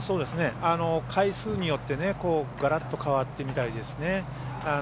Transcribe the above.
回数によってガラッと変わってみたりですね。